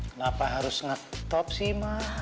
kenapa harus ngetop sih mah